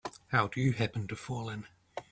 How'd you happen to fall in?